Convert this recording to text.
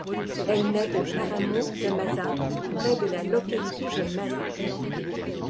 Elle naît au Páramo de Masa près de la localité de Masa.